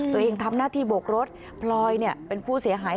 ตัวเองทำหน้าที่โบกรถพลอยเป็นผู้เสียหาย